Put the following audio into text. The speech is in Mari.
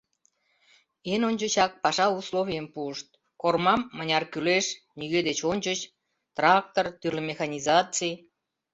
Эн ончычак паша условийым пуышт: кормам — мыняр кӱлеш, нигӧ деч ончыч; трактор, тӱрлӧ механизаций.